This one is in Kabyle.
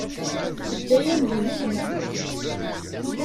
Tedda-yam di nneqma.